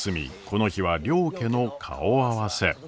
この日は両家の顔合わせ。